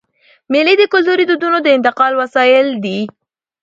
مېلې د کلتوري دودونو د انتقال وسایل دي.